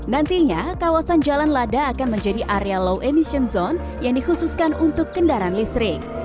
nantinya kawasan jalan lada akan menjadi area low emission zone yang dikhususkan untuk kendaraan listrik